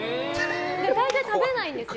大抵、食べないんですよ。